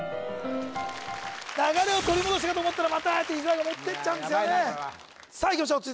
流れを取り戻したかと思ったらまたああやって伊沢が持ってっちゃうんですよね